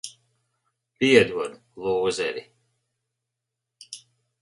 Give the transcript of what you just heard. Piedod, lūzeri.